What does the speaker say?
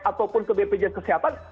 ataupun ke bpjs kesehatan